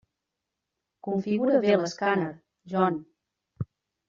Configura bé l'escàner, John.